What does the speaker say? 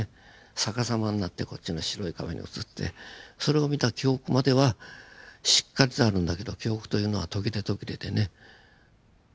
逆さまになってこっちの白い壁に映ってそれを見た記憶まではしっかりとあるんだけど記憶というのは途切れ途切れでね。